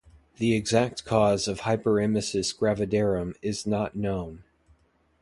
The exact cause of hyperemesis gravidarum is not known.